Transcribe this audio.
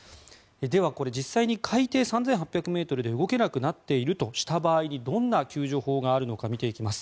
ではこれ実際に海底３８００ｍで動けなくなっているとした場合にどんな救助法があるのか見ていきます。